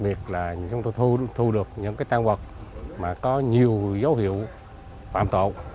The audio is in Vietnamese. việc là chúng tôi thu được những cái tang vật mà có nhiều dấu hiệu phạm tội